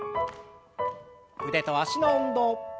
腕と脚の運動。